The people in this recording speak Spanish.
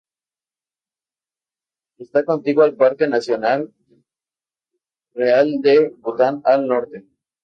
Está contiguo al Parque Nacional Real de Bután al norte.